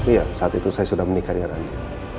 iya saat itu saya sudah menikah dengan andi